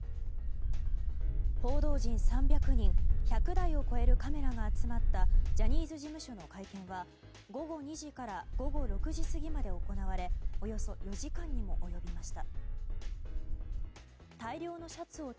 報道陣３００人１００台を超えるカメラが集まったジャニーズ事務所の会見は午後２時から午後６時過ぎまで行われおよそ４時間にも及びました。